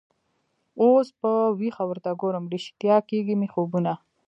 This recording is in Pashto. اوس په ویښه ورته ګورم ریشتیا کیږي مي خوبونه